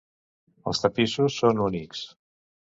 Els tapissos són únics.